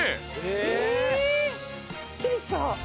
ええすっきりした！